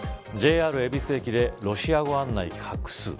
ＪＲ恵比寿駅でロシア語案内隠す。